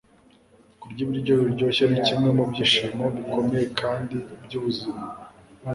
Kurya ibiryo biryoshye nikimwe mubyishimo bikomeye kandi byubuzima